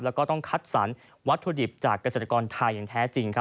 แล้วก็ต้องคัดสรรวัตถุดิบจากเกษตรกรไทยอย่างแท้จริง